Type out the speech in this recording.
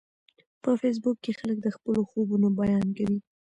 په فېسبوک کې خلک د خپلو خوبونو بیان کوي